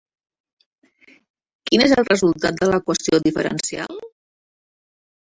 Quin és el resultat de l'equació diferencial?